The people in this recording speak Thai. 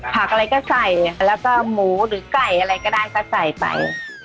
อะไรก็ใส่แล้วก็หมูหรือไก่อะไรก็ได้ก็ใส่ไป